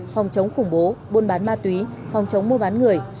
phòng chống khủng bố buôn bán ma túy phòng chống mua bán người